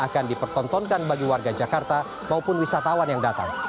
akan dipertontonkan bagi warga jakarta maupun wisatawan yang datang